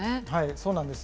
そうなんです。